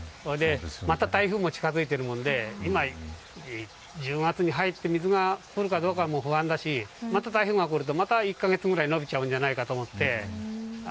また台風も近づいているもんで１０月に入って水がくるかどうかも不安だしまた台風が来るとまた１カ月ぐらいのびちゃうんじゃないかと思って。